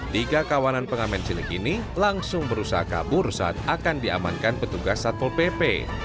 tiga kawanan pengamen cilik ini langsung berusaha kabur saat akan diamankan petugas satpol pp